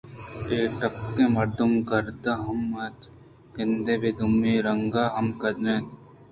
اے پٹکیں مردم ءُگرد دیم اِت اَنت ءُگندگ ءَ یکے دومی ءِ ہم رنگ ءُہم قد اِت اَنت